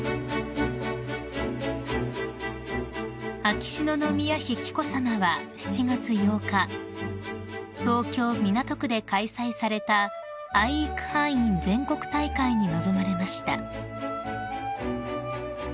［秋篠宮妃紀子さまは７月８日東京港区で開催された愛育班員全国大会に臨まれました］